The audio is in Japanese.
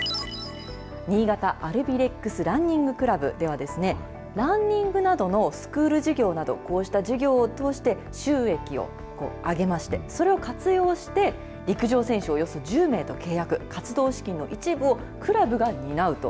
新潟アルビレックスランニングクラブでは、ランニングなどのスクール事業など、こうした事業を通して、収益を上げまして、それを活用して、陸上選手およそ１０名と契約、活動資金の一部をクラブが担うと。